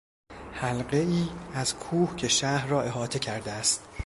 حلقهای از کوه که شهر را احاطه کرده است